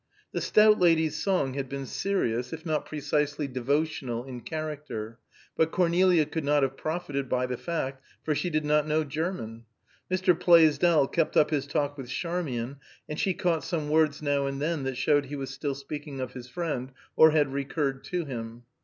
The stout lady's song had been serious, if not precisely devotional in character; but Cornelia could not have profited by the fact, for she did not know German. Mr. Plaisdell kept up his talk with Charmian, and she caught some words now and then that showed he was still speaking of his friend, or had recurred to him.